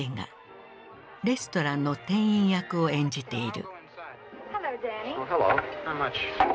レストランの店員役を演じている。